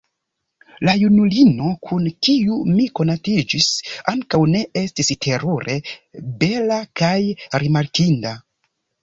La junulino kun kiu mi konatiĝis, ankaŭ ne estis terure bela kaj rimarkinda.